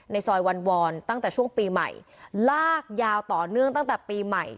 ซอยวันวอนตั้งแต่ช่วงปีใหม่ลากยาวต่อเนื่องตั้งแต่ปีใหม่